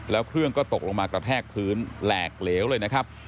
แล้วเครื่องก็ตกลงมากระแทกพื้นแหลกเหลวเลยนะครับ